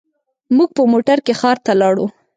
موږ په موټر کې ښار ته لاړو.